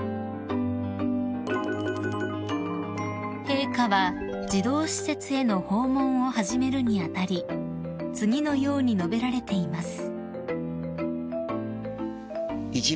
［陛下は児童施設への訪問を始めるに当たり次のように述べられています］